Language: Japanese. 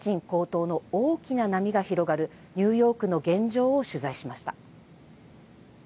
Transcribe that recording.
大きな波が広がるニューヨークの現状を取材しました。